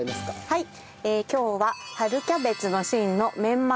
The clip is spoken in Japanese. はい。